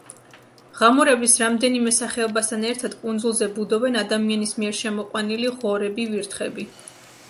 ღამურების რამდენიმე სახეობასთან ერთად კუნძულზე ბუდობენ ადამიანის მიერ შემოყვანილი ღორები, ვირთხები.